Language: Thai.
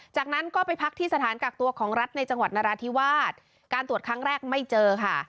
จากนั้นก็ไปพักที่สถานกักตัวของรัฐในจังหวัดนราธิวาสการตรวจครั้งแรกไม่เจอค่ะ